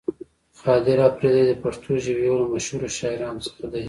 خاطر اپريدی د پښتو ژبې يو له مشهورو شاعرانو څخه دې.